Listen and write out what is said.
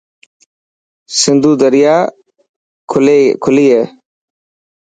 سنڌو دريا خلي هي.